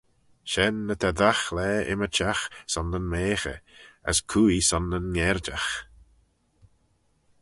Shen ny ta dagh laa ymmyrçhagh son nyn meaghey, as cooie son nyn gherjagh.